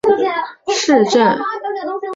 莫鲁阿古杜是巴西圣保罗州的一个市镇。